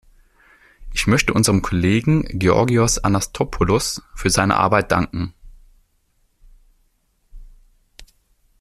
Ich möchte unserem Kollegen, Georgios Anastassopoulos, für seine Arbeit danken.